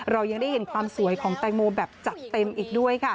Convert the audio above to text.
เรายังได้เห็นความสวยของแตงโมแบบจัดเต็มอีกด้วยค่ะ